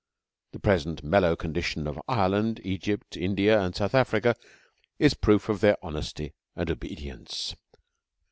The present mellow condition of Ireland, Egypt, India, and South Africa is proof of their honesty and obedience.